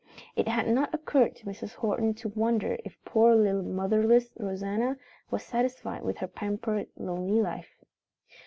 It had not occurred to Mrs. Horton to wonder if poor little motherless Rosanna was satisfied with her pampered, lonely life.